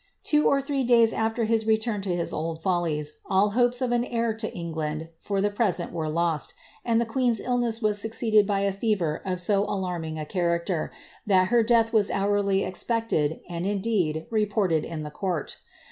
Two or three days aAcr his return to his old follies all hopes of an heir to England for the present were lost, and the queeo^i illness was succeeded by a fever of so alanning a character, that her death was hourly expected, and, indeed, reported in the court.'